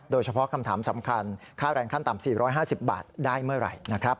โดยเฉพาะคำถามสำคัญค่าแรงขั้นต่ำ๔๕๐บาทได้เมื่อไหร่นะครับ